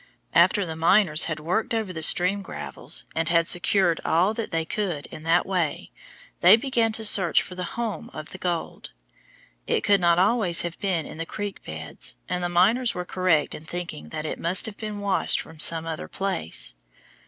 After the miners had worked over the stream gravels and had secured all that they could in that way, they began to search for the home of the gold. It could not always have been in the creek beds, and the miners were correct in thinking that it must have been washed from some other place.